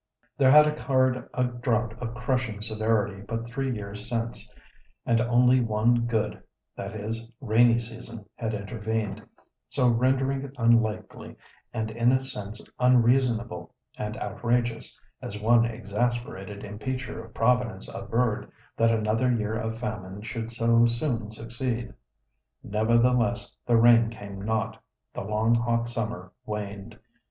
There had occurred a drought of crushing severity but three years since, and only one "good"—that is, rainy season had intervened, so rendering it unlikely, and in a sense unreasonable and outrageous, as one exasperated impeacher of Providence averred, that another year of famine should so soon succeed. Nevertheless, the rain came not. The long, hot summer waned.